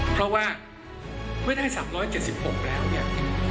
เพราะว่าเมื่อได้๓๗๖แล้วเนี่ย